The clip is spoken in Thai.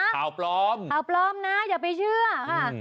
ข่าวปลอมข่าวปลอมนะอย่าไปเชื่อค่ะ